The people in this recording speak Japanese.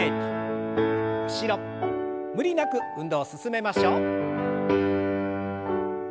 無理なく運動を進めましょう。